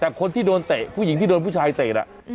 แต่คนที่โดนเตะผู้หญิงที่โดนผู้ชายเตะ